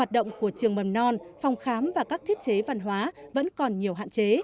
hoạt động của trường mầm non phòng khám và các thiết chế văn hóa vẫn còn nhiều hạn chế